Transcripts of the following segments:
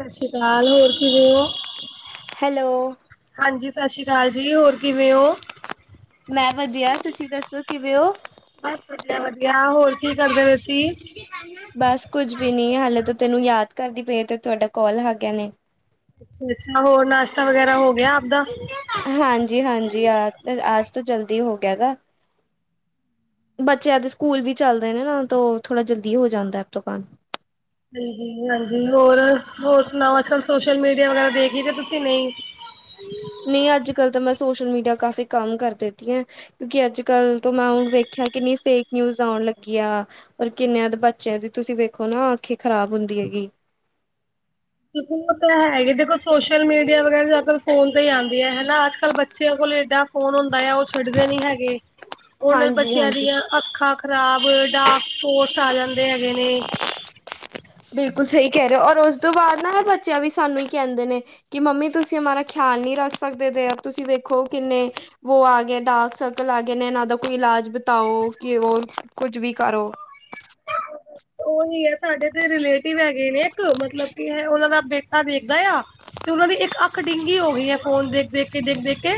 ਸਸੀਕਾਲ ਹੋਰ ਕਿਵੇ ਓ? ਹੈਲੋ ਹਾਂਜੀ ਸਸੀਕਾਲ ਜੀ ਹੋਰ ਕਿਵੇਂ ਓ? ਮੈਂ ਵਧੀਆ ਤੁਸੀਂ ਦੱਸੋ ਕਿਵੇਂ ਓ? ਬਸ ਵਧੀਆ-ਵਧੀਆ ਹੋਰ ਕੀ ਕਰਦੇ ਪਏ ਸੀ? ਬਸ ਕੁੱਝ ਵੀ ਨੀ ਹਾਲੇ ਤਾਂ ਤੈਨੂੰ ਯਾਦ ਕਰਦੀ ਪਈ ਆਂ ਤੇ ਤੁਹਾਡਾ ਕੋਲ [unintelligible] ਨੇ ਅੱਛਿਆ ਹੋਰ ਨਾਸ਼ਤਾ ਵਗੈਰਾ ਹੋਗਿਆ ਆਪਦਾ? ਹਾਂਜੀ-ਹਾਂਜੀ ਆ ਆਜ ਤੋਂ ਜਲਦੀ ਹੋ ਗਿਆ ਦਾ। ਬੱਚਿਆਂ ਦੇ ਸਕੂਲ ਵੀ ਚੱਲਦੇ ਨੇ ਨਾ ਤੋ ਥੋੜ੍ਹਾ ਜਲਦੀ ਹੋ ਜਾਂਦਾ ਅਬ ਤੋ ਕੰਮ। ਹਾਂਜੀ-ਹਾਂਜੀ ਹੋਰ-ਹੋਰ ਸੁਣਾਓ ਅੱਜ-ਕੱਲ ਸੋਸ਼ਲ ਮੀਡੀਆ ਵਗੈਰਾ ਦੇਖੀ [unintelligible] ਤੁਸੀਂ ਨਈ? ਨਈ ਅੱਜ-ਕੱਲ ਤਾਂ ਮੈਂ ਸੋਸ਼ਲ-ਮੀਡੀਆ ਕਾਫੀ ਕਮ ਕਰ ਦਿੱਤੀ ਐ ਕਿਉਂਕੀ ਅੱਜ-ਕੱਲ੍ਹ ਤੋਂ ਮੈਂ ਹੁਣ ਵੇਖਿਆ ਕਿੰਨੀ ਫੇਕ-ਨਿਊਜ਼ ਓਣ ਲੱਗੀ ਆ। ਓਰ ਕਿੰਨੇ ਆ ਦੇ ਬੱਚਿਆਂ ਦੀ ਤੁਸੀਂ ਵੇਖੋ ਨਾ ਅੱਖੀ ਖ਼ਰਾਬ ਹੁੰਦੀ ਹੈਗੀ। ਦੇਖੋ ਓ ਤਾਂ ਹੈਗੇ ਦੇਖੋ ਸੋਸ਼ਲ-ਮੀਡੀਆ ਵਗੈਰਾ [unintelligible] ਫੋਨ ਤੇ ਈ ਆਂਦੀ ਐ ਹੈਨਾ ਅੱਜ-ਕੱਲ੍ਹ ਬੱਚਿਆਂ ਕੋਲ ਏਡਾ ਫੋਨ ਹੁੰਦਾ ਆ ਓ ਛੱਡਦੇ ਨੀ ਹੇਗੈ। [inaudible] ਓ ਨਾਲ ਬੱਚਿਆਂ ਹਾਂਜੀ ਦੀਆਂ ਅੱਖਾਂ ਖ਼ਰਾਬ ਡਾਰਕ ਸਪੋਟਸ ਆ ਜਾਂਦੇ ਹੈਗੇ ਨੇ। ਬਿਲਕੁੱਲ ਸਈ ਕੈ ਰੇ ਓ ਔਰ ਓਸ ਤੋਂ ਬਾਦ ਨਾ ਬੱਚਿਆਂ ਵੀ ਸਾਨੂੰ ਈ ਕੈਂਦੇ ਨੇ ਕੀ ਮੰਮੀ ਤੁਸੀਂ ਅਮਾਰਾ ਖਿਆਲ ਨੀ ਰੱਖ ਸਕਦੇ ਤੇ ਅਬ ਤੁਸੀ ਵੇਖੋ ਕਿੰਨੇ ਵੋ ਆ ਗਏ ਡਾਰਕ ਸਰਕਲ ਆ ਗਏ ਨੇ ਏਨ੍ਹਾ ਦਾ ਕੋਈ ਇਲਾਜ ਬਤਾਓ ਕੀ ਓਰ ਕੁੱਝ ਵੀ ਕਰੋ ਓਹੀ ਐ ਸਾਡੇ ਤੇ ਰਿਲੇਟਿਵ ਹੈਗੇ ਨੇ ਇੱਕ ਮਤਲਬ ਕੀ ਹੈ ਉਨਾਂ ਦਾ ਬੇਟਾ ਵੇਖਦਾ ਆ ਤੇ ਉਨਾਂ ਦੀ ਇੱਕ ਅੱਖ ਡਿੰਗੀ ਹੋ ਗਈ ਐ ਫੋਨ ਦੇਖ-ਦੇਖ ਕੇ ਦੇਖ-ਦੇਖ ਕੇ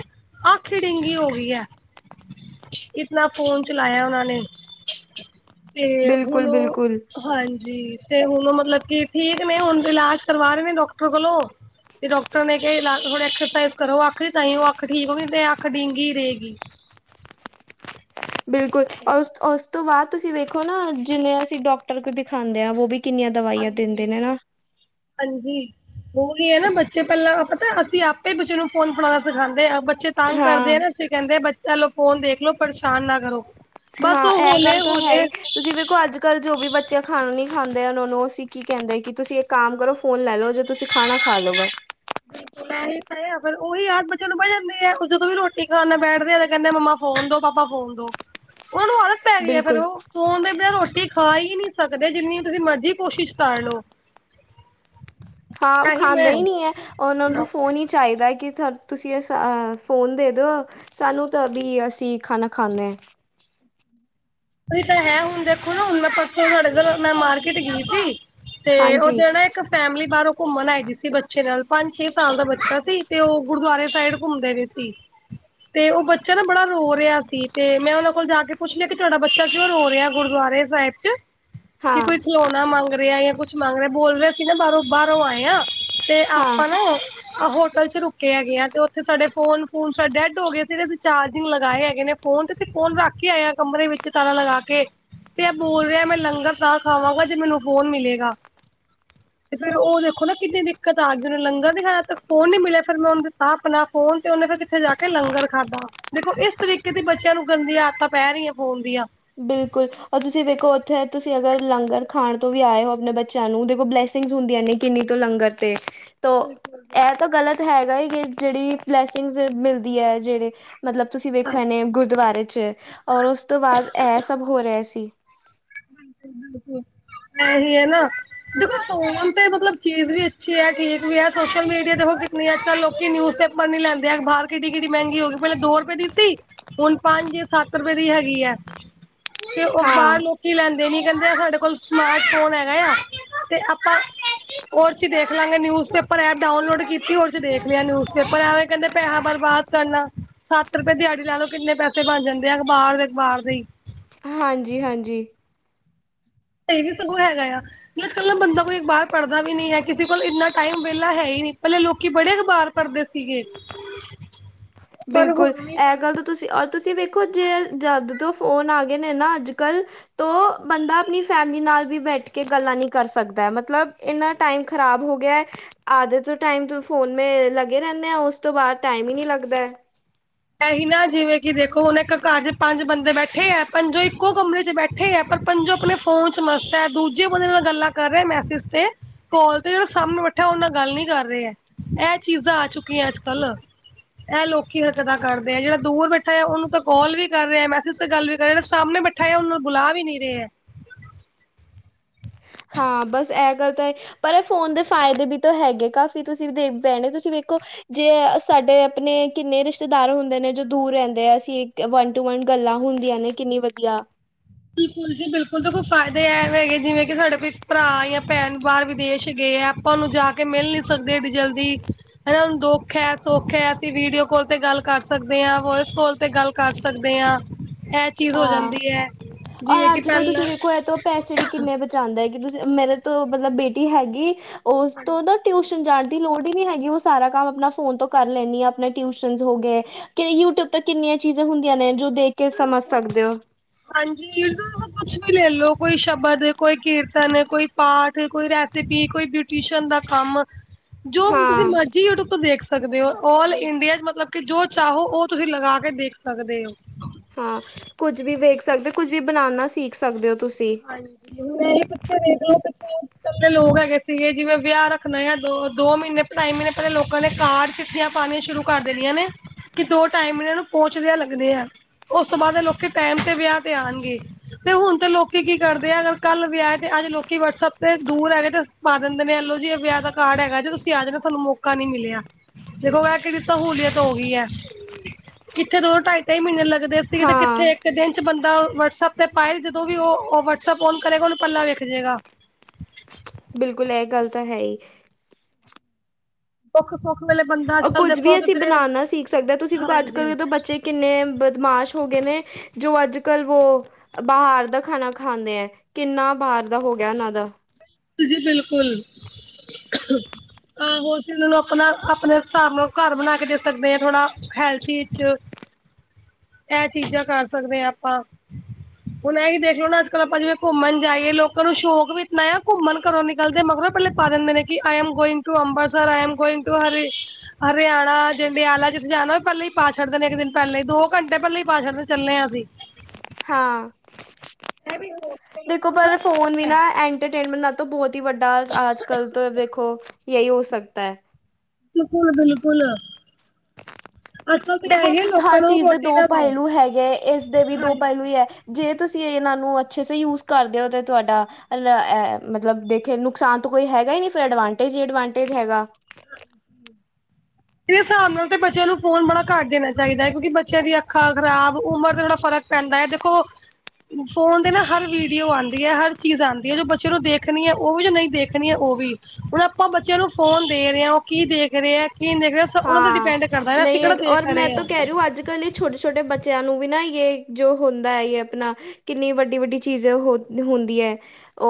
ਅੱਖ ਈ ਡਿੰਗੀ ਹੋ ਗਈ ਐ। ਇਤਨਾ ਫੋਨ ਚਲਾਇਆ ਉਨਾਂ ਨੇ ਤੇ ਬਿਲਕੁਲ ਹੁਣ ਓ ਬਿਲਕੁਲ ਹਾਂਜੀ ਤੇ ਹੁਣ ਮਤਲਵ ਕੀ ਠੀਕ ਨੇ ਹੁਣ ਇਲਾਜ ਕਰਵਾ ਰੇ ਨੇ ਡਾਕਟਰ ਕੋਲੋਂ ਤੇ ਡੋਕਟਰ ਨੇ [unintelligible] ਹੁਣ ਐਕਸਰਸਾਈਜ਼ ਕਰੋ ਅੱਖ ਤਾਂ ਹੀ ਕ ਅੱਖ ਠੀਕ ਹੋਗੀ ਤੇ ਅੱਖ ਡੀਂਗੀ ਰਏਗੀ। ਬਿਲਕੁੱਲ ਓਰ ਉਸ ਓਸ ਤੋਂ ਬਾਦ ਤੁਸੀਂ ਵੇਖੋ ਨਾ ਜਿੰਨੇ ਅਸੀਂ ਡੋਕਟਰ ਕੋ ਦਿਖਾਂਦੇ ਆ ਵੋ ਵੀ ਕਿੰਨੀਆਂ ਦਵਾਈਆਂ ਦਿੰਦੇ ਨੇ ਨਾ। ਹਾਂਜੀ। ਓਹੀ ਐ ਨਾ ਬੱਚੇ ਪੈਲਾਂ ਪਤਾ ਅਸੀਂ ਆਪੇ ਬੱਚੇ ਨੂੰ ਫੋਨ ਫੜਾਣਾ ਸਿਖਾਂਦੇ ਆ ਬੱਚੇ ਤੰਗ ਕਰਦੇ ਆ ਹਾਂ ਨਾ ਅਸੀਂ ਕੈਂਦੇ ਬੱਚਾ ਲੋ ਫੋਨ ਦੇਖ ਲੋ ਪਰੇਸ਼ਾਨ ਨਾ ਕਰੋ। ਬਸ ਹਾਂ, ਉਹ ਐ ਗੱਲ ਤਾਂ ਹੈ ਹੋਲੇ-ਹੋਲੇ ਈ ਤੁਸੀਂ ਵੇਖੋ ਅੱਜ ਕੱਲ੍ਹ ਜੋ ਵੀ ਬੱਚੇ ਖਾਣਾ ਨੀ ਖਾਂਦੇ ਆ ਓਨਾ ਨੂੰ ਅਸੀਂ ਕੀ ਕੈਂਦੇ ਕੀ ਤੁਸੀਂ ਇੱਕ ਕਾਮ ਕਰੋ ਫੋਨ ਲੈਲੋ ਜੇ ਤੁਸੀਂ ਖਾਣਾ ਖਾ ਲਓ ਬਸ ਬਿਲਕੁੱਲ ਐਵੀ ਤਾਂ ਐ ਫੇਰ ਉਹੀ ਆ ਬੱਚਿਆਂ ਨੂੰ ਬੈ ਜਾਂਦੇ ਆ ਜਦੋਂ ਵੀ ਰੋਟੀ ਆਰਾਮ ਨਾਲ ਬੈਠਦੇ ਆ ਤੇ ਕੈਂਦੇ ਆ ਮੰਮਾ ਫੋਨ ਦੋ, ਪਾਪਾ ਫੋਨ ਦੋ। ਉਨਾਂ ਨੂੰ ਆਦਤ ਪੈ ਗਈ ਆ ਫੇਰ ਬਿਲਕੁਲ ਓ ਫੋਨ ਦਿੰਦੇ ਆ ਰੋਟੀ ਖਾ ਈ ਨੀ ਸਕਦੇ ਜਿੰਨੀ ਤੁਸੀਂ ਮਰਜ਼ੀ ਕੋਸ਼ਿਸ਼ ਕਰ ਲੋ। ਹਾਂ ਓ ਇਹੀ ਮੈਂ ਖਾਂਦੇ ਈ ਨਈ ਉਹੀ ਐ ਉਨਾਂ ਨੂੰ ਫੋਨ ਈ ਚਾਈਦਾ ਏ ਕਿ ਤੁਸੀਂ ਅਸ ਅ ਫ਼ੋਨ ਦੇ ਦੋ ਸਾਨੂੰ ਤਾਂ ਵੀ ਅਸੀਂ ਖਾਣਾ ਖਾਂਨੇ ਐ। ਉਹੀ ਤਾਂ ਹੈ ਹੁਣ ਦੇਖੋ ਨਾ ਹੁਣ ਮੈਂ ਪਰਸੋਂ ਤੁਹਾਡੇ ਏਧਰ ਮੈਂ ਮਾਰਕੀਟ ਗੀ ਸੀ ਤੇ ਓ ਹਾਂਜੀ ਦੇਣਾ ਇਕ ਫੈਮਲੀ ਬਾਰੋਂ ਘੁੰਮਣ ਆਈ ਗੀ ਸੀ ਬੱਚੇ ਨਾਲ ਪੰਜ-ਛੇ ਸਾਲ ਦਾ ਬੱਚਾ ਸੀ ਤੇ ਓ ਗੁਰਦੁਆਰੇ ਸਾਈਡ ਘੁੰਮਦੇ ਰੇ ਸੀ ਤੇ ਓ ਬੱਚਾ ਨਾ ਬੜਾ ਰੋ ਰੇਆ ਸੀ ਤੇ ਮੈਂ ਉਨਾਂ ਕੋਲ ਜਾ ਕੇ ਪੁੱਛ ਲਿਆ ਕਿ ਤੁਹਾਡਾ ਬੱਚਾ ਕਿਉਂ ਰੋ ਰੇਆ ਗੁਰਦੁਆਰੇ ਸਾਇਬ ਚ, ਹਾਂ ਕੀ ਕੋਈ ਖਿਲੋ ਣਾ ਮੰਗ ਰੇਆ ਜਾਂ ਕੁਛ ਮੰਗ ਰੇਆ ਬੋਲ ਰੇਆ ਸੀ ਨਾ ਬਾਰੋਂ, ਬਾਰੋਂ ਆਏ ਆ ਤੇ ਹਾਂ ਆਪਾਂ ਨਾ ਆ ਹੋਟਲ' ਚ ਰੁਕੇ ਹੈਗੇ ਆ ਤੇ ਉੱਥੇ ਸਾਡੇ ਫੋਨ ਫੂਨ ਸਾ ਡੈੱਡ ਹੋਗੇ ਅਸੀਂ ਜੇੜੇ ਅਸੀਂ ਚਾਰਜਿੰਗ ਲਗਾਏ ਹੈਗੇ ਨੇ ਫ਼ੋਨ ਤੇ ਅਸੀਂ ਫ਼ੋਨ ਰੱਖ ਕੇ ਆਏ ਆ ਕਮਰੇ ਵਿੱਚ ਤਾਲਾਂ ਲਗਾ ਕੇ ਤੇ ਐ ਬੋਲ ਰੇਆ ਮੈਂ ਲੰਗਰ ਤਾਂ ਖਾਵਾਂਗਾ ਜੇ ਮੈਨੂੰ ਫ਼ੋਨ ਮਿਲੇਗਾ। [inaudible] ਤੇ ਫੇਰ ਓ ਦੇਖੋ ਨਾ ਕਿੰਨੀ ਦਿੱਕਤ ਆਗੀ ਉਨੇ ਲੰਗਰ ਨੀ ਖਾਇਆ ਤੱਕ ਫ਼ੋਨ ਨੀ ਮਿਲਿਆ ਫਿਰ ਮੈਂ ਉਨੂੰ ਦਿੱਤਾ ਆਪਣਾ ਫ਼ੋਨ ਤੇ ਉਨੇ ਫਿਰ ਕਿੱਥੇ ਜਾ ਕੇ ਲੰਗਰ ਖਾਧਾ ਦੇਖੋ ਇਸ ਤਰੀਕੇ ਦੀ ਬੱਚਿਆਂ ਨੂੰ ਗੰਦੀਆਂ ਆਦਤਾਂ ਪੈ ਰੀਆ ਫ਼ੋਨ ਦੀਆਂ। ਬਿਲਕੁੱਲ ਓ ਤੁਸੀਂ ਵੇਖੋ ਉੱਥੇ ਤੁਸੀਂ ਅਗਰ ਲੰਗਰ ਖਾਣ ਤੋਂ ਵੀ ਆਏ ਹੋ ਆਪਣੇ ਬੱ ਚਿਆਂ ਨੂੰ ਦੇਖੋ ਬਲੈਸਿੰਗਜ ਹੁੰਦੀਆਂ ਨੇ ਕਿੰਨੀ ਤੋਂ ਲੰਗਰ ਤੇ। ਤੋਂ ਐ ਤੋਂ ਗ਼ਲਤ ਹੈਗਾ ਕਿ ਜੇੜੀ ਬਲੈਸਿੰਗਜ਼ ਮਿਲਦੀ ਐ ਜੇੜੇ ਮਤਲਬ ਤੁਸੀਂ ਵੇਖੋ ਐਨੇ ਗੁਰਦੁਆਰੇ 'ਚ ਔਰ ਉਸ ਤੋਂ ਬਾਅਦ ਐ ਸਭ ਹੋ ਰੇਆ ਸੀ। ਐਹੀ ਐ ਨਾ ਦੇਖੋ ਫ਼ੋਨ ਪੇ ਮਤਲਬ ਚੀਜ਼ ਵੀ ਅੱਛੀ ਐ, ਠੀਕ ਵੀ ਐ ਸੋਸ਼ਲ ਮੀਡੀਆ ਦੇਖੋ ਕਿਤਨੀ ਅਕਸਰ ਲੋਕੀ ਨਿਊਜ਼ ਪੇ ਪਰ ਨੀ ਲੈਂਦੇ ਆ ਬਾਹਰ ਕਿੰਡੀ-ਕਿੰਡੀ ਮਹਿੰਗੀ ਹੋਗੀ ਪੈਲੇ ਦੋ ਰੁਪਏ ਦੀ ਸੀ ਹੁਣ ਪੰਜ-ਸੱਤ ਰੁਪਏ ਦੀ ਹੈਗੀ ਐ ਤੇ ਓ ਹਾਂ ਬਾਰ ਲੋ ਕੀ ਲੈਂਦੇ ਨੀ ਕੈਂਦੇ ਆ ਸਾਡੇ ਕੋਲ ਸਮਾਰਟ ਫ਼ੋਨ ਹੈਗਾ ਆ ਤੇ ਆਪਾਂ ਓ 'ਚ ਦੇਖ ਲਾਂਗੇ ਨਿਊਜ਼ ਪੇਪਰ ਐਪ ਡਾਵਨਲੋਡ ਕੀਤੀ ਓ 'ਚ ਦੇਖ ਲਿਆ ਨਿਊਜ਼ ਪੇਪਰ ਐਵੇ ਕੈਂਦੇ ਪੈਹਾ ਬਰਬਾਦ ਕਰਨਾ ਸੱਤ ਰੁਪਏ ਦਿਹਾੜੀ ਲੈ ਲੋ ਕਿੰਨੇ ਪੈਸੇ ਬਣ ਜਾਂਦੇ ਆ ਅਖ਼ਬਾਰ ਦੇ, ਅਖ਼ਬਾਰ ਦੇ ਈ। ਹਾਂਜੀ-ਹਾਂਜੀ। ਏ ਵੀ ਸਗੋਂ ਹੈਗਾ ਆ। ਲੇ ਚਲੋ ਬੰਦਾ ਕੋਈ ਅਖ਼ਬਾਰ ਪੜਦਾ ਵੀ ਨੀ ਹੈ ਕਿਸੀ ਕੋਲ ਇੰਨਾ ਟਾਈਮ ਵੇਲਾ ਹੈ ਈ ਨੀ ਪੈਲੇ ਲੋਕੀ ਬੜੇ ਅਖ਼ਬਾਰ ਪੜਦੇ ਸੀਗੇ। ਪਰ ਬਿਲਕੁੱਲ ਹੁਣ ਐ ਗੱਲ ਤੁਸੀਂ ਔਰ ਤੁਸੀਂ ਵੇਖੋ ਜੇ ਜਦ ਤੋਂ ਫ਼ੋਨ ਆਗੇ ਨੇ ਨਾ ਅੱਜ-ਕੱਲ ਤੋਂ ਬੰਦਾ ਆਪਣੀ ਫੈਮਲੀ ਨਾਲ ਵੀ ਬੈਠ ਕੇ ਗੱਲਾਂ ਨੀ ਕਰ ਸਕਦਾ ਮਤਲਬ ਏਨਾਂ ਟਾਈਮ ਖ਼ਰਾਬ ਹੋ ਗਿਆ ਆਧਾ ਤੋਂ ਟਾਈਮ ਫ਼ੋਨ ਮੇ ਲਗੇ ਰੈਂਨੇ ਆ ਉਸ ਤੋਂ ਬਾਅਦ ਟਾਈਮ ਈ ਨੀ ਲੱਗਦਾ ਐ। ਐਹੀ ਨਾ ਜਿਵੇਂ ਕਿ ਦੇਖੋ ਹੁਣ ਇੱਕ ਘਰ 'ਚ ਪੰਜ ਬੰਦੇ ਬੈਠੇ ਐ ਪੰਜੋਂ ਇੱਕੋ ਕਮਰੇ 'ਚ ਬੈ ਠੇ ਐ ਪਰ ਪੰਜੋ ਆਪਣੇ ਫ਼ੋਨ 'ਚ ਮਸਤ ਐ ਦੂਜੇ ਬੰਦੇ ਨਾਲ ਗੱਲਾਂ ਕਰ ਰੇ ਮੈਸੇਜ ਤੇ ਕਾਲ ਤੇ ਜੇੜਾ ਸਾਹਮਣੇ ਬੈਠਿਆ ਓ ਨਾਲ ਗੱਲ ਨੀ ਕਰ ਰੇ ਐ ਏ ਚੀਜ਼ਾਂ ਆ ਚੁੱਕੀਆਂ ਅੱਜ-ਕੱਲ। ਐ ਲੋਕੀ ਗੱਲਾ ਕਰਦੇ ਆ, ਜਿਹੜਾ ਦੂਰ ਬੈਠਾ ਆ ਉਹਨੂੰ ਤਾਂ ਕਾਲ ਵੀ ਕਰ ਰੇ ਮੈਸੇਜ ਤੇ ਵੀ ਗੱਲ ਵੀ ਕਰ ਰੇ, ਜਿਹੜਾ ਸਾਹਮਣੇਂ ਬੈਠੇ ਬੈਠਾ ਉਹਨੂੰ ਬੁਲਾ ਵੀ ਨੀ ਰਹੇ ਐ। ਹਾਂ ਬਸ ਐਹ ਗੱਲ ਤਾਂ ਪਰ ਏਂ ਫੋਨ ਦੇ ਫਾਇਦੇ ਵੀ ਤੋ ਹੈਗੇ ਕਾਫੀ, ਤੁਸੀਂ ਵੀ ਦੇ ਭੈਣੇ ਤੁਸੀਂ ਵੇਖੋ ਜੇ ਸਾਡੇ ਆਪਣੇ ਕਿੰਨੇ ਰਿਸ਼ਤੇਦਾਰ ਹੁੰਦੇ ਨੇ, ਜੋ ਦੂਰ ਰਹਿੰਦੇ ਆ ਅਸੀਂ ਵ ਟੂ ਵਨ ਗੱਲਾਂ ਹੁੰਦੀਆਂ ਨੇ ਕਿੰਨੀ ਵਧੀਆਂ ਬਿਲਕੁਲ ਜੀ ਬਿਲਕੁਲ ਤਾਂ ਦੇਖੋ ਫਾਇਦੇ ਐਂ ਹੈਗੇ ਜਿਵੇਂ ਕਿ ਸਾਡੇ ਕੋਈ ਭਰਾ ਜਾਂ ਭੈਣ ਬਾਹਰ ਵਿਦੇਸ਼ ਗਏ ਆ। ਆਪਾਂ ਉਹਨੂੰ ਜਾ ਕੇ ਮਿਲ ਨੀ ਸਕਦੇ ਵੀ ਜਲਦੀ ਹਨਾ ਉਹਨੂੰ ਦੁੱਖ ਐ ਸੁੱਖ ਐ, ਅਸੀਂ ਵੀਡੀਓ ਕਾਲ ਤੇ ਗੱਲ ਕਰ ਸਕਦੇ ਆ ਵੋਇਸ ਕਾਲ ਤੇ ਗੱਲ ਕਰ ਸਕਦੇ ਆ, ਐਹ ਚੀਜ਼ ਹੋ ਹਾਂ ਜਾਂਦੀ ਐ। ਔਰ ਅੱਜ ਕੱਲ ਤੁਸੀਂ ਵੇਖੋ ਐਹ ਤੋਂ ਪੈਸੇ ਵੀ ਕਿੰਨੇ ਬਚਾਉਂਦਾ ਹੈ, ਕਿ ਤੁਸੀਂ ਮੇਰੇ ਤੋਂ ਮਤਲਬ ਬੇਟੀ ਹੈਗੀ ਉਸ ਤੋਂ ਨਾ ਟਿਊਸ਼ਨ ਜਾਣ ਦੀ ਲੋੜ ਈ ਨੀ ਹੈਗੀ, ਉਹ ਸਾਰਾ ਕੰਮ ਆਪਣਾ ਫੋਨ ਤੋਂ ਕਰ ਲੈਂਨੀ ਆਂ, ਆਪਣੇ ਟਿਊਸ਼ਨਸ ਹੋ ਗਏ। ਕਿ ਯੂਟਿਊਬ ਤੇ ਕਿੰਨੀਆਂ ਚੀਜ਼ਾਂ ਹੁੰਦੀਆਂ ਨੇ ਜੋ ਦੇਖ ਕੇ ਸਮਝ ਸਕਦੇ ਓ। ਹਾਂਜੀ ਕੁੱਛ ਵੀ ਲੇਲੋ ਕੋਈ ਸ਼ਬਦ, ਕੋਈ ਕੀਰਤਨ ਕੋਈ ਪਾਠ, ਕੋਈ ਰੈਸਪੀ ਕੋਈ, ਬਿਊਟੀਸਨ ਦਾ ਕੰਮ ਜੋ ਤੁਸੀਂ ਹਾਂ ਮਰਜੀ ਯੂਟਿਊਬ ਤੋਂ ਦੇਖ ਸਕ ਸਕਦੇ ਓ, ਆਲ ਇੰਡੀਆ ਚ ਮਤਲਬ ਕਿ ਜੋ ਚਾਹੋ ਉਹ ਤੁਸੀਂ ਲਗਾ ਕੇ ਦੇਖ ਸਕਦੇ ਓ। ਹਾਂ, ਕੁੱਝ ਵੀ ਵੇਖ ਸਕਦੇ ਕੁੱਝ ਵੀ ਬਣਾਣਾ ਸੀਖ ਸਕਦੇ ਓ ਤੁਸੀਂ। ਹਾਂਜੀ। ਨਹੀਂ ਪਿੱਛੇ ਦੇਖਲੋ, ਪਿੱਛੇ ਇਕੱਲੇ ਲੋਕ ਹੈਗੇ ਸੀਗੇ ਜਿਵੇਂ ਵਿਆਹ ਰੱਖਣਾ ਆ ਦੋ-ਦੋ ਮਹੀਨੇ ਟਾਈ ਮਹੀਨੇ ਪਹਿਲੇ ਲੋਕਾਂ ਨੇ ਕਾਰਡ- ਚਿੱਠੀਆਂ ਪਾਣੀਆਂ ਸ਼ੁਰੂ ਕਰ ਦੇਣੀਆਂ ਨੇ। ਕਿ ਦੋ ਟਾਇਮ ਮਹੀਨੇ ਇਨਾਂ ਨੂੰ ਪਹੁੰਚਦਿਆ ਲੱਗਣੇ ਆ, ਉਸ ਤੋਂ ਬਾਅਦ ਲੋਕੀ ਟਾਇਮ ਤੇ ਵਿਆਹ ਤੇ ਆਣਗੇ। ਤੇ ਹੁਣ ਲੋ ਲੋਕੀ ਕੀ ਕਰਦੇ ਆ, ਅਗਰ ਕੱਲ ਵਿਆਹ ਤੇ ਅੱਜ ਲੋਕੀ ਵਟਸਐਪ ਤੇ ਦੂਰ ਹੈਗੇ ਤੇ ਪਾ ਦਿੰਦੇਂ ਨੇ ਐਲੋ ਜੀ ਵਿਆਹ ਦਾ ਕਾਰਡ ਹੈਗਾ ਜੇ, ਤੁਸੀਂ ਆ ਜਾਣਾ ਸਾਂਨੂੰ ਮੌਕਾ ਨੀ ਮਿਲਿਆ। ਦੇਖੋ ਐਹ ਕਿੱਡੀ ਸਹੂਲੀਅਤ ਹੋ ਗਈ ਐ, ਕਿੱਥੇ ਦੋ ਢਾਈ- ਢਾਈ ਮਹੀਨੇ ਲੱ ਦੇ ਸੀਗੇ ਤੇ ਹਾਂ ਕਿੱਥੇ ਇੱਕ ਦਿਨ ਚ ਬੰਦਾ ਵਟਸਐਪ ਤੇ ਪਾਏ, ਜਦੋਂ ਵੀ ਉਹ ਉਹ ਵੱਟਸਐਪ ਓਨ ਕਰੇਗਾ, ਓਨੂੰ ਪੱਲਾ ਵੇਖ ਜੇਗਾ। ਬਿਲਕੁਲ ਐ ਗੱਲ ਤਾਂ ਹੈ ਈ। ਸੁੱਖ-ਸੁੱਖ ਵੇਲੇ ਬੰ ਕੁੱਝ ਵੀ ਅਸੀਂ ਬਣਾਣਾ ਸੀਖ ਸਕਦੇ ਆ, ਤੁਸੀਂ ਦੇਖੋ ਅੱਜ- ਹਾਂਜੀ ਕੱਲ ਤੋ ਬੱਚੇ ਕਿੰਨੇ ਬਦਮਾਸ਼ ਹੋ ਗਏ ਨੇ। ਜੋ ਅੱਜ-ਕੱਲ ਵੋ ਬਾਹਰ ਦਾ ਖਾਣਾ ਖਾਂਦੇ ਐ, ਕਿੰਨਾ ਬਾਹਰ ਦਾ ਹੋ ਗਿਆ ਉਨਾਂ ਦਾ ਜੀ ਬਿਲਕੁਲ। ਆਹੋ ਅਸੀਂ ਓਨਾ ਨੂੰ ਆਪਣਾ ਆਪਣੇ ਹਿਸਾਬ ਨਾਲ ਘਰ ਬਣਾ ਕੇ ਦੇ ਸਕਦੇ ਆ ਥੋੜਾ। ਹੈਲਥੀ ਇੰਚ ਐਹ ਚੀਜ਼ਾਂ ਕਰ ਸਕਦੇ ਆ ਆਪਾਂ ਹੁਣ ਇਹ ਵੀ ਦੇਖ ਲੋ ਨਾ ਅੱਜ-ਕੱਲ ਆਪਾਂ ਜਿਵੇਂ ਘੁੰਮਣ ਜਾਈਏ, ਲੋਕਾਂ ਨੂੰ ਸ਼ੌਕ ਵੀ ਇਤਨਾ ਆ ਘੁੰਮਣ ਘਰੋਂ ਨਿਕਲਦੇ ਮਗਰੋਂ ਪਹਿਲੇ ਪਾ ਦਿੰਦੇ ਨੇ, ਕਿ I'm going to Amritsar, I'm going to ਹਰਿ ਹਰਿਆਣਾ, ਜੰਡਿਆਲਾ ਜਿੱਥੇ ਜਾਣਾ ਪਹਿਲੇ ਈ ਪਾ ਛਡਦੇ ਨੇ, ਇੱਕ ਦਿਨ ਪਹਿਲਾਂ ਈ ਦੋ ਘੰਟੇ ਪਹਿਲੇ ਈ ਪਾ ਛੱਡਦੇ ਚੱਲੇ ਆਂ ਅਸੀਂ‌ ਹਾਂ। ਐਵੀਂ ਹੋਣ ਦੇਖੋ ਪਰ ਫੋਨ ਵੀ ਨਾ ਐਂਟਰਟੇਨਮੈਂਟ ਤੋਂ ਬਹੁਤ ਈ ਵੱਡਾ ਆਜ-ਕਲ ਤੋਂ ਵੇਖੋ ਯਹੀ ਹੋ ਸਕਤਾ ਹੈ। ਬਿਲਕੁਲ-ਬਿਲਕੁਲ। ਦੇਖੋ ਹਰ ਲੋਕਾਂ ਨੂੰ ਚੀਜ਼ ਦੇ ਰੋਟੀ ਦੋ ਨਾ ਪਹਿਲੂ ਹੈਗੇ। ਇਸ ਦੇ ਵੀ ਹਾਂਜੀ ਪੈਲੂ ਈ ਐ। ਜੇ ਤੁਸੀਂ ਇਨਾਂ ਨੂੰ ਅੱਛੇ ਸੇ ਯੂਸ ਕਰਦੇ ਓ ਤੇ ਤੁਆਡਾ ਆ ਲੈ ਐ, ਮਤਲਵ ਦੇਖੇ ਨੁਕਸਾਨ ਤੋ ਕੋਈ ਹੈਗਾ ਈ ਨੀ। ਫਿਰ ਐਡਵਾਂਟੇਜ ਈ ਐਡਵਾਂਟੇਜ ਹੈਗਾ। [inaudible] ਇਹਦੇ ਸਾਬ੍ਹ ਨਾਲ ਤੇ ਬੱਚਿਆਂ ਨੂੰ ਫ਼ੋਨ ਬੜਾ ਘੱਟ ਦੇਣਾ ਚਾਹੀਦਾ ਏ। ਕਿਉਂਕਿ ਬੱਚਿਆਂ ਦੀਆਂ ਅੱਖਾਂ ਖ਼ਰਾਬ, ਉਮਰ ਤੇ ਥੋੜਾ ਫ਼ਰਕ ਪੈਂਦਾ ਆ। ਦੇਖੋ ਫ਼ੋਨ ਤੇ ਨਾ ਹਰ ਵੀਡੀਓ ਆਂਦੀ ਐ। ਹਰ ਚੀਜ਼ ਆਂਦੀ ਏ। ਜੋ ਬੱਚੇ ਨੂੰ ਦੇਖਣੀ ਐ, ਉਹ ਵੀ। ਜੋ ਨਹੀਂ ਦੇਖਣੀ ਐ, ਉਹ ਵੀ। ਹੁਣ ਆਪਾਂ ਬੱਚਿਆਂ ਨੂੰ ਫ਼ੋਨ ਦੇ ਰਹੇ ਆ। ਉਹ ਕੀ ਦੇਖ ਰਹੇ, ਕੀ ਨੀ ਦੇਖ ਰਹੇ ਉਹਨਾਂ ਤੇ ਹਾਂ, ਡਿਪੈਂਡ ਕਰਦਾ ਹੈ ਅਸੀਂ ਨਹੀਂ ਕਿਹੜਾ ਦੇਖ ਔਰ ਮੈਂ ਰਹੇ ਹਾਂ ਤੋਂ ਕੇਅ ਰੀਊ, ਅੱਜ-ਕੱਲ੍ਹ ਈ ਛੋਟੇ-ਛੋਟੇ ਬੱਚਿਆਂ ਨੂੰ ਵੀ ਨਾ, ਯੇ ਜੋ ਹੁੰਦਾ ਯੇ ਅਪਣਾ ਕਿੰਨੀ ਵੱਡੀ-ਵੱਡੀ ਚੀਜ਼ੇ ਹੋ ਹੁੰਦੀ ਐ।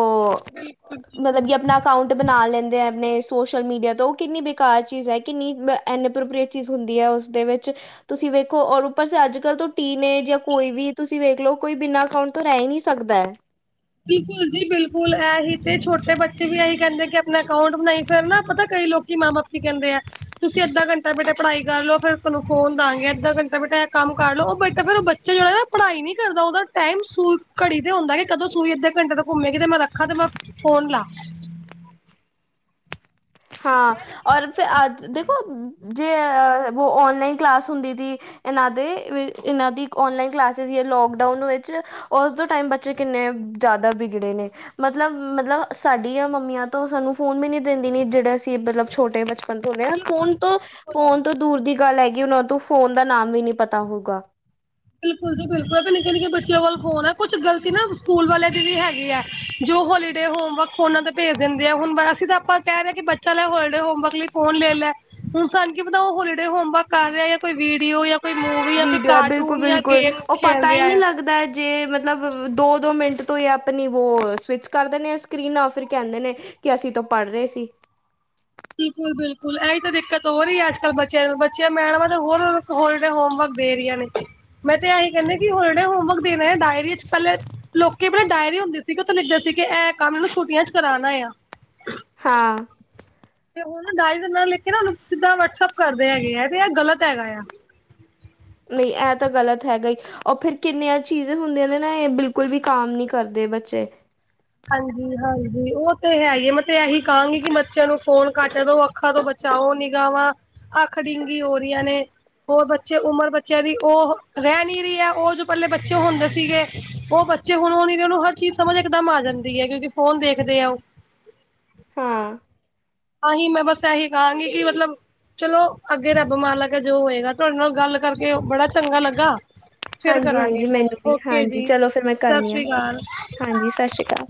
ਉਹ ਬਿਲਕੁੱਲ ਜੀ। ਮਤਲਬ ਕਿ ਆਪਣਾ ਅਕਾਊਂਟ ਬਣਾ ਲੇਂਦੇ। ਆਪਣੇ ਸੋਸ਼ਲ-ਮੀਡੀਆ ਤੋਂ ਉਹ ਕਿੰਨੀ ਬੇਕਾਰ ਚੀਜ਼ ਐ। ਕਿੰਨੀ ਬ ਐਨ ਏ। ਪਰ-ਪਰ ਇਹ ਚੀਜ਼ ਹੁੰਦੀ ਐ, ਉਸ ਦੇ ਵਿੱਚ ਤੁਸੀਂ ਵੇਖੋ, ਔਰ ਉੱਪਰ ਸੇ ਅੱਜ-ਕੱਲ੍ਹ ਤੋਂ ਟੀਨ‌ਏਜ਼ ਜਾਂ ਕੋਈ ਵੀ, ਤੁਸੀਂ ਵੇਖਲੋ ਕੋਈ ਬਿਨਾ ਅਕਾਂਟ ਤੋ ਰੈ ਈ ਨ੍ਹੀਂ ਸਕਦਾ ਐ। ਬਿਲਕੁਲ ਜੀ, ਬਿਲਕੁਲ। ਇਹੀ ਤੇ ਛੋਟੇ ਬੱਚੇ ਵੀ ਇਹੀ ਕਹਿੰਦੇ ਕਿ ਆਪਣਾ ਅਕਾਊਂਟ ਬਣਾਈ। ਫਿਰਨਾ ਪਤਾ ਕਈ ਲੋਕ ਕੀ ਮਾਂ ਬਾਪ ਕੀ ਕਹਿੰਦੇ ਐ। ਤੁਸੀਂ ਅੱਧਾ ਘੰਟਾ ਬੇਟਾ ਪੜ੍ਹਾਈ ਕਰਲੋ। ਫਿਰ ਤਹਾਨੂੰ ਫ਼ੋਨ ਦਾਂ ਗੇ। ਅੱਧਾ ਘੰਟਾ ਬੇਟਾ ਐਹ ਕੰਮ ਕਰਲੋ। ਉਹ ਬੈਠਾ ਫਿਰ ਉਹ ਬੱਚਾ ਜਿਹੜਾ ਨਾ ਉਹ ਪੜ੍ਹਾਈ ਨੀ ਕਰਦਾ। ਉਹਦਾ ਟਾਈਮ ਸੂ ਘੜੀ ਤੇ ਹੁੰਦਾ ਕੇ ਕਦੋਂ ਸੂਈ ਅੱਧੇ ਘੰਟੇ ਤੋਂ ਘੁੰਮੇਗੀ ਤੇ ਮੈਂ ਰੱਖਾ ਤੇ ਮੈਂ ਫ਼ੋਨ ਲਾ ਹਾਂ, ਔਰ ਫ, ਅੱ ਦੇਖੋ, ਜੇ ਬ ਔਨਲਾਈਨ ਕਲਾਸ ਹੁੰਦੀ ਦੀ ਇਹਨਾਂ ਦੇ, ਇਹਨਾਂ ਦੀ ਔਨਲਾਈਨ ਕਲਾਸਜ ਲੋਕਡਾਊਨ ਵਿੱਚ ਉਸਦੇ ਟਾਈਮ ਬੱਚੇ ਕਿੰਨੇ ਜ਼ਿਆਦਾ ਵਿਗੜੇ ਨੇ। ਮਤਲਬ-ਮਤਲਬ, ਸਾਡੀਆ ਮੰਮੀਆਂ ਤੋਂ ਸਾਨੂੰ ਫ਼ੋਨ ਵੀ ਨੀ ਦਿੰਦੀ ਨੇ ਅਸੀਂ ਮਤਲਬ, ਛੋਟੇ ਬਚਪਨ ਤੋਂ ਰਹੇ ਹਾਂ। ਫ਼ੋਨ ਤੋਂ ਫ਼ੋਨ ਤੋਂ ਦੂਰ ਦੀ ਗੱਲ ਹੈਗੀ। ਉਹਨਾਂ ਤੋਂ ਫ਼ੋਨ ਦਾ ਨਾਮ ਵੀ ਨੀ ਪਤਾ ਹੋਊਗਾ। ਬਿਲਕੁਲ ਜੀ, ਬਿਲਕੁਲ। ਤੇ ਨਿੱਕੇ-ਨਿੱਕੇ ਬੱਚਿਆਂ ਕੋਲ ਫ਼ੋਨ ਐ। ਕੁਛ ਗ਼ਲਤੀ ਨਾ ਸਕੂਲ ਵਾਲਿਆਂ ਦੀ ਵੀ ਹੈਗੀ ਐਂ। ਜੋ ਹੋਲੀਡੇ-ਹੋਮਵਰਕ ਫ਼ੋਨਾਂ ਤੇ ਭੇਜ ਦਿੰਦੇ ਆ। ਹੁਣ ਮੈਂ, ਅਸੀਂ ਤਾਂ ਆਪਾਂ ਕਹਿ ਰਹੇ ਕਿ ਬੱ ਚਲ ਐਹ ਹੋਲਡੇ-ਹੋਮਵਰਕ ਲਈ ਫ਼ੋਨ ਲੇਲੈ। ਹੁਣ ਸਾਨੂੰ ਕੀ ਪਤਾ, ਉਹ ਹੋਲੀਡੇ ਹੋਮਵਰਕ ਕਰ ਰਿਹਾ। ਜਾਂ ਕੋਈ ਵੀਡੀਓ ਜਾਂ ਕੋਈ ਮੂਵੀ ਜਾਂ ਕੋਈ ਵੀਡੀਓ ਐ। ਕਾਰਟੂਨ ਜਾਂ ਬਿਲਕੁਲ-ਬਿਲਕੁਲ। ਗੇਮ ਉਹ ਖੇਲ ਪਤਾ ਈ ਰਿਹਾ ਨੀ ਆ ਲੱਗ ਲਗਦਾ ਜੇ ਮਤਲਬ, ਦੋ-ਦੋ ਮਿੰਟ ਤੋਂ ਇਹ ਆਪਣੀ ਵੋ, ਸਵਿੱਚ ਕਰ ਦੇਨੇ ਆ ਸਕ੍ਰੀਨ। ਨਾ ਫਿਰ ਕਹਿੰਦੇ ਨੇ ‌ ਕਿ ਅਸੀਂ ਤੋਂ ਪੜ੍ਹ ਰਹੇ ਸੀ। ਬਿਲਕੁੱਲ-ਬਿਲਕੁੱਲ। ਐਈ ਤੇ ਦਿੱਕਤ ਹੋ ਰਹੀ ਐ, ਅੱਜ-ਕੱਲ੍ਹ ਬੱਚਿਆਂ ਨੂੰ। ਬੱਚੇ ਮੈਡਮਾਂ ਦੇ ਹੋਰ ਹੋਲੀ-ਡੇ-ਹੋਮਵਰਕ ਦੇ ਰਹੀਆਂ ਨੇ। ਮੈਂ ਤੇ ਐਹੀ ਕਹਿੰਨੀ ਕਿ ਹੋਲੀ-ਡੇ-ਹੋਮਵਰਕ ਦੇਣਾ ਐ। ਡਾਇਰੀ 'ਚ ਪਹਿਲੇ ਲੋਕੀ ਆਪਣੇ ਡਾਇਰੀ ਹੁੰਦੀ ਸੀ। ਕਿ ਉਥੇ ਲਿਖਦੇ ਸੀ ਕਿ ਇਹ ਕੰਮ ਛੁੱਟੀਆਂ 'ਚ ਕਰਾਂਣਾ ਆ। ਹਾਂ। ਤੇ ਹੁਣ ਉਹ ਡਾਇਰੀ ਦੇ ਨਾ ਲਿਖਕੇ ਨਾ। ਉਹਨੂੰ ਸਿੱਧਾ ਵਟਸਐਪ ਕਰਦੇ ਹੈਗੇ ਆ ਤੇ ਇਹ ਗ਼ਲਤ ਹੈਗਾ ਆ। ਨਹੀਂ, ਐਹ ਤਾਂ ਗ਼ਲਤ ਹੈਗਾ ਈ ਉਹ ਫਿਰ ਕਿੰਨੀਆਂ ਚੀਜ਼ੇ ਹੁੰਦੀਆਂ ਨੇ ਨਾ। ਇਹ ਬਿਲਕੁਲ ਵੀ ਕਾਮ ਨੀ ਕਰਦੇ ਬੱਚੇ। ਹਾਂਜੀ-ਹਾਂਜੀ। ਉਹ ਤੇ ਹੈਈ ਐ। ਮੈਂ ਤੇ ਐਹੀ ਕਹਾਂਗੀ ਕਿ ਬੱਚਿਆਂ ਨੂੰ ਫ਼ੋਨ ਘੱਟ ਦ‌ਓ। ਉਹ ਅੱਖਾਂ ਤੋਂ ਬਚਾਓ ਨਿਗ੍ਹਾਵਾ। ਅੱਖ ਡਿੰਗੀ ਹੋਰੀਆਂ ਨੇ ਹੋਰ ਬੱਚੇ, ਉਮਰ ਬੱਚਿਆਂ ਦੀ ਉਹ ਰਹਿ ਨੀ ਰੀ ਐ। ਉਹ ਜੋ ਪਹਿਲੇ ਬੱਚੇ ਹੁੰਦੇ ਸੀਗੇ। ਉਹ ਬ 'ਚੇ, ਹੁਣ-ਹੁਣ ਇਹਨਾਂ ਨੂੰ ਹਰ ਚੀਜ਼ ਸਮਝ ਇਕਦਮ ਆ ਜਾਂਦੀ ਐ। ਕਿਉਂਕਿ ਫੋਨ ਦੇਖਦੇ ਆ ਉਹ। ਹਾਂ ਆ ਆਹੀ ਈ ਮੈਂ ਬਸ ਐਹੀ ਈ ਕਹਾਂਗੀ ਕਿ ਮਤਲਬ ਚਲੋ ਓ ਅੱਗੇ ਰੱਬ ਮਾਲਾਕ ਜੋ ਹੋਏਗਾ ਤੁਹਾਡੇ ਕਰਕੇ ਬੜਾ ਚੰਗਾ ਲੱਗਾ ਆ ਹਾਂਜੀ ਈ ਹਾਂਜੀ ਈ ਮੈਨੂੰ ਵੀ ਹਾਂਜੀ ਈ ਜੀ ਚਲੋ ਫਿਰ ਮੈਂ ਸਤਿ ਕਰਦੀ ਆ ਸ੍ਰੀ ਅਕਾਲ। ਹਾਂਜੀ ਈ ਸਸਰੀ ਕਾਲ